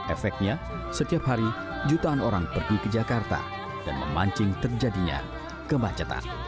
efeknya setiap hari jutaan orang pergi ke jakarta dan memancing terjadinya kemacetan